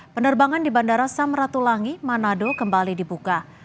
penerbangan di bandara samratulangi manado kembali dibuka